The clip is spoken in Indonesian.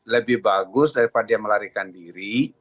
lebih bagus daripada dia melarikan diri